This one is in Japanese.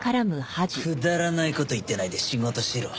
くだらない事言ってないで仕事しろ。